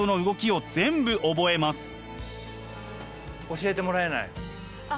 教えてもらえない？